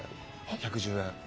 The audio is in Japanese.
１１０円。